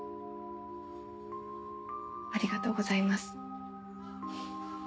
ありがとうございます。